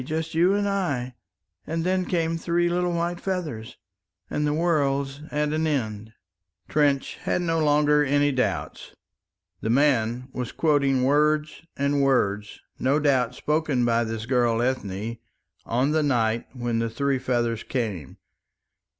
just you and I. And then came three little white feathers; and the world's at an end." Trench had no longer any doubts. The man was quoting words, and words, no doubt, spoken by this girl Ethne on the night when the three feathers came.